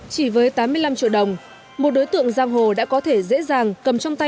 chỉ với tám mươi năm triệu đồng một đối tượng giang hồ đã có thể dễ dàng cầm trong tay